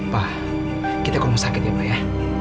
pa kita komunisakan ya pa ya